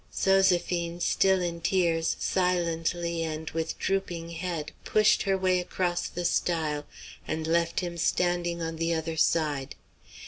Zoséphine, still in tears, silently and with drooping head pushed her way across the stile and left him standing on the other side.